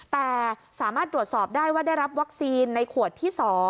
แต่สามารถตรวจสอบได้ว่าได้รับวัคซีนในขวดที่๒